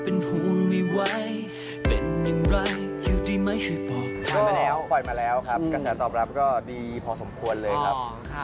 โอ้ยเปลดมาแล้วกระแสตอบรับก็ดีพอสมควรเลยครับ